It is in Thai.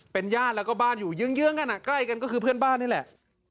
เป็นญาติแล้วก็บ้านอยู่เยื้องกันใกล้กันก็คือเพื่อนบ้านนี่แหละ